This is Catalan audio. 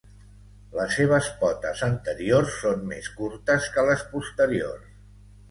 Les seves potes anteriors són més curtes que les posteriors.